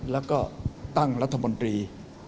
แล้วก็ตั้งรัฐมนตรี